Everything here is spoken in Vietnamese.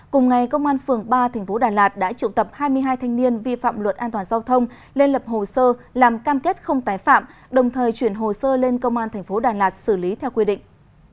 cùng ngày công an phường ba tp đà lạt đã triệu tập hai mươi hai thanh niên vi phạm luật an toàn giao thông lên lập hồ sơ làm cam kết không tái phạm đồng thời chuyển hồ sơ lên công an tp đà lạt xử lý theo quy định